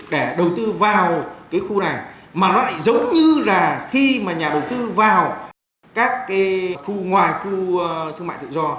để đầu tư vào cái khu này mà nó lại giống như là khi mà nhà đầu tư vào các cái khu ngoài khu thương mại tự do